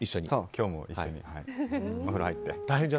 今日も一緒にお風呂入って。